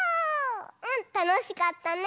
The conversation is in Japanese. うんたのしかったね。